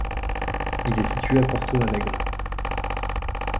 Il est situé à Porto Alegre.